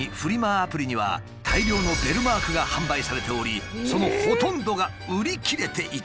アプリには大量のベルマークが販売されておりそのほとんどが売り切れていた。